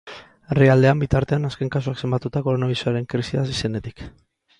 Herrialdean, bitartean, azken kasuak zenbatuta, koronabirusaren krisia hasi zenetik.